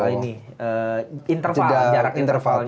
ini internal jarak intervalnya